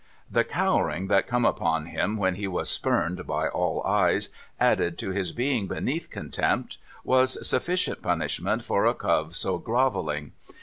The cowering that come upon him when he was spurned by all eyes, added to his being beneath contempt, was sufficient punish ment for a cove so grovelling.